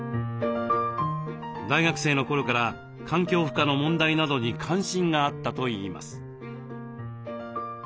大学生の頃から環境負荷の問題などに関心があったといいます。